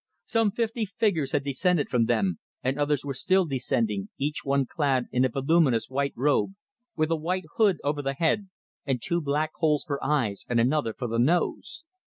Some fifty figures had descended from them, and others were still descending, each one clad in a voluminous white robe, with a white hood over the head, and two black holes for eyes, and another for the nose.